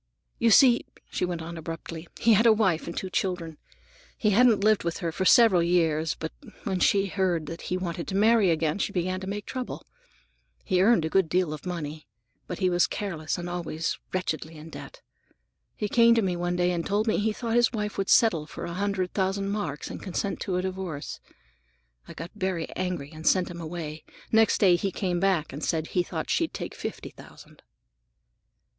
"You see," she went on abruptly, "he had a wife and two children. He hadn't lived with her for several years, but when she heard that he wanted to marry again, she began to make trouble. He earned a good deal of money, but he was careless and always wretchedly in debt. He came to me one day and told me he thought his wife would settle for a hundred thousand marks and consent to a divorce. I got very angry and sent him away. Next day he came back and said he thought she'd take fifty thousand."